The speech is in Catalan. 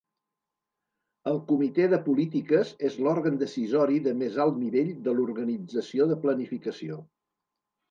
El "comitè de polítiques" és l'òrgan decisori de més alt nivell de l'organització de planificació.